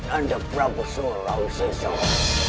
anda prabu sholaweswara